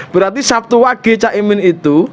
berarti sabtu wage cak imin itu